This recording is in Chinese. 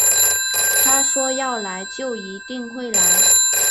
他说要来就一定会来